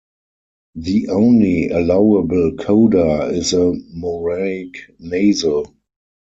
The only allowable coda is a moraic nasal.